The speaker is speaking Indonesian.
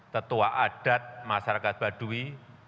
tetua adat masyarakat baduy